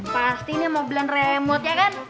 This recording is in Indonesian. pasti ini mau bulan remote ya kan